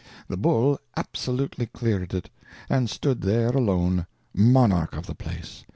The bull absolutely cleared it, and stood there alone! monarch of the place.